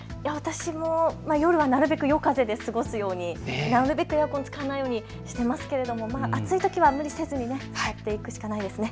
私はなるべく夜風で過ごすように、なるべくエアコンを使わないようにしてますけれども暑いときは無理せず使っていくしかないですね。